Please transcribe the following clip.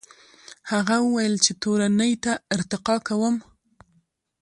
هغه وویل چې تورنۍ ته ارتقا کوم.